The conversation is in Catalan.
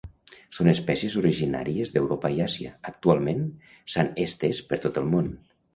Són espècies originàries d'Europa i Àsia, i actualment s'han estès per tot el món.